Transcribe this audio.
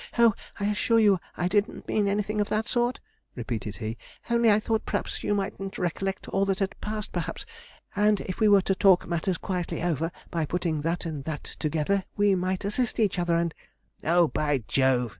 'Oh, I assure you, I didn't mean anything of that sort,' repeated he, 'only I thought p'raps you mightn't recollect all that had passed, p'raps; and if we were to talk matters quietly over, by putting that and that together, we might assist each other and ' 'Oh, by Jove!'